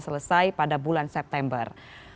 selesai pada bulan september